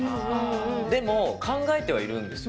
でも、考えてはいるんですよ。